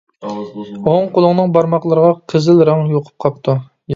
ئوڭ قولۇڭنىڭ بارماقلىرىغا قىزىل رەڭ يۇقۇپ قاپتۇ.